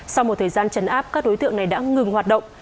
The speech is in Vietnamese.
sau một thời gian chấn áp các đối tượng này đã ngừng hoạt động